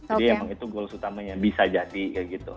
jadi emang itu goals utamanya bisa jadi kayak gitu